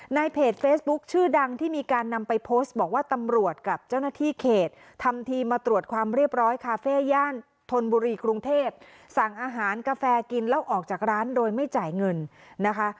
ในเพจเฟซบุ๊คชื่อดังที่มีการนำไปโพสต์บอกว่าตำรวจกับเจ้าหน้าที่เขตทำทีมาตรวจความเรียบร้อยคาเฟ่ย่านธนบุรีกรุงเทพสั่งอาหารกาแฟกินแล้วออกจากร้านโดยไม่จ่ายเงินนะคะ